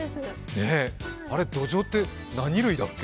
あれ、どじょうって何類だっけ？